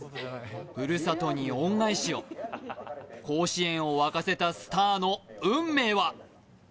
ふるさとに恩返しを、甲子園を沸かせたスタートの運命は。